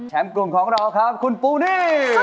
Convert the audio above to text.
แชมป์กลุ่มของเราครับคุณปูนิม